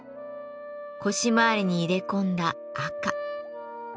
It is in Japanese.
腰回りに入れ込んだ赤。